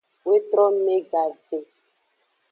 Wetrome gave.